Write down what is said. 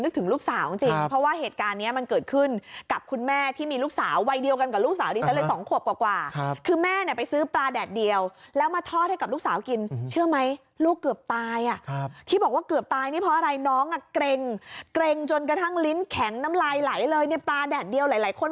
นึกถึงลูกสาวจริงเพราะว่าเหตุการณ์เนี่ย